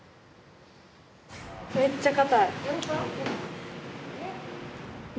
めっちゃかたい。